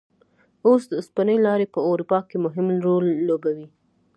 اوس د اوسپنې لارې په اروپا کې مهم رول لوبوي.